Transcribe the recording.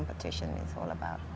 tentang perubahan hutan